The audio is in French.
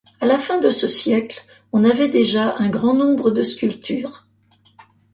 À la fin de ce siècle, on avait déjà un grand nombre de sculptures.